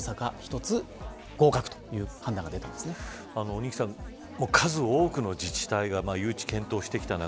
仁木さん、数多くの自治体が誘致検討してきた中